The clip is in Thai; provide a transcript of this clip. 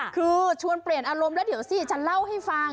คือชวนเปลี่ยนอารมณ์แล้วเดี๋ยวสิฉันเล่าให้ฟัง